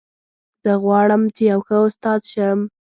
زه غواړم چې یو ښه استاد شم